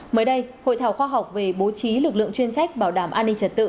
mới đây hội thảo khoa học về bố trí lực lượng chuyên trách bảo đảm an ninh trật tự